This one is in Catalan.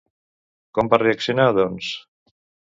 Com va reaccionar, doncs?